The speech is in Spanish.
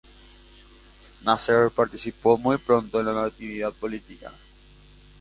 Nasser participó muy pronto en la actividad política.